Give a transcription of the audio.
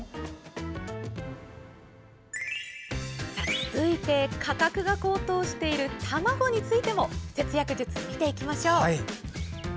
続いて価格が高騰している卵についても節約術、見ていきましょう。